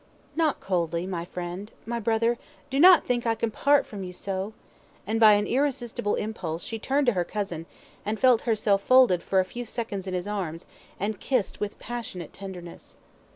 '" "Not coldly, my friend my brother. Do not think I can part from you so," and by an irresistible impulse, she turned to her cousin, and felt herself folded for a few seconds in his arms, and kissed with passionate tenderness.